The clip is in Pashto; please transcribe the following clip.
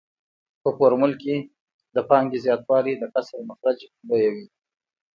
په فورمول کې د پانګې زیاتوالی د کسر مخرج لویوي